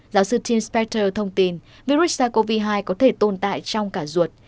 giáo sư tim spector thông tin virus sars cov hai có thể tồn tại trong cả ruột